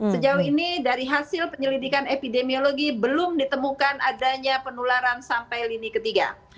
sejauh ini dari hasil penyelidikan epidemiologi belum ditemukan adanya penularan sampai lini ketiga